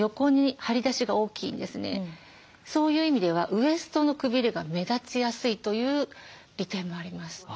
そういう意味ではウエストのくびれが目立ちやすいという利点もあります。